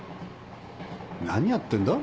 何やってんだ？